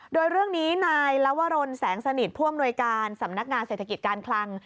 โดยเรื่องนี้นายลวรนแสงสนิทผู้อำนวยการสำนักงานเศรษฐกิจการคลัง